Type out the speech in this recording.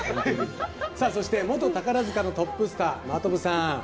そして、元宝塚のトップスター真飛さん。